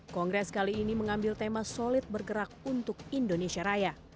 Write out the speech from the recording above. kongres kali ini mengambil tema solid bergerak untuk indonesia raya